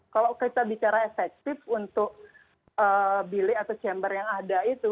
kalau kita bicara efektif untuk bilik atau chamber yang ada itu